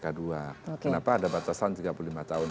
kenapa ada batasan tiga puluh lima tahun